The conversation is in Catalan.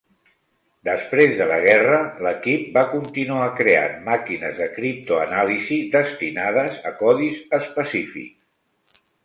Després de la guerra, l'equip va continuar creant màquines de criptoanàlisi destinades a codis específics.